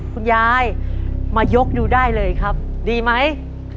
คุณยายมายกดูได้เลยครับดีไหม